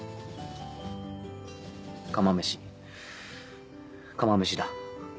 釜飯釜飯だ。